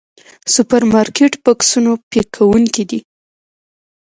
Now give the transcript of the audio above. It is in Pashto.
سوپرمارکېټ بکسونو پيک کوونکي دي.